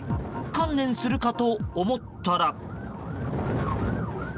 観念するかと思ったら。